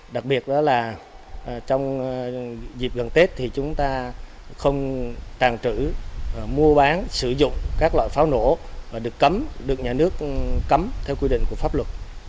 đặc biệt đó là trong dịp gần tết thì chúng ta không tàn trữ mua bán sử dụng các loại pháo nổ được cấm được nhà nước cấm theo quy định của pháp luật